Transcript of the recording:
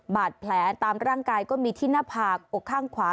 บาดแผลตามร่างกายก็มีที่หน้าผากอกข้างขวา